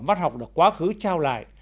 văn học được quá khứ trao lại